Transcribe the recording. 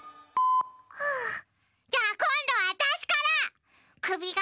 じゃあこんどはわたしから！